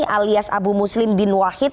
alias abu muslim bin wahid